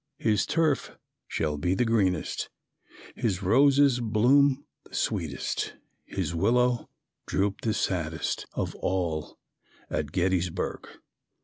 His turf shall be the greenest, His roses bloom the sweetest, His willow droop the saddest Of all at Gettysburg.